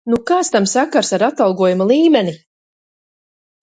Nu kāds tam sakars ar atalgojuma līmeni!